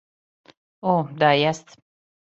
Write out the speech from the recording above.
О, да, јест.